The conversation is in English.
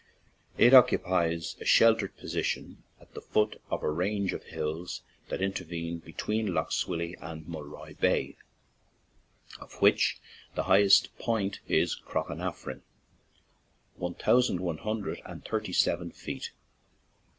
It occupies a sheltered position at the foot of a range of hills that intervene between Lough Swilly and Mul roy Bay, of which the highest point is Crochanaffrin, one thousand one hundred and thirty seven feet.